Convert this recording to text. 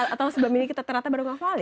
atau sebelum ini kita ternyata baru menghafali